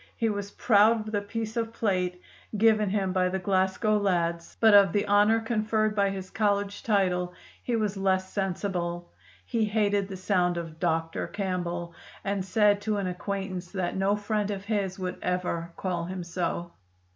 He was proud of the piece of plate given him by the Glasgow lads, but of the honor conferred by his college title he was less sensible. He hated the sound of Doctor Campbell, and said to an acquaintance that no friend of his would ever call him so."